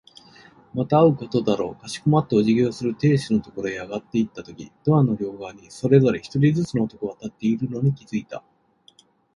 また会うことだろう。かしこまってお辞儀をする亭主のところへ上がっていったとき、ドアの両側にそれぞれ一人ずつの男が立っているのに気づいた。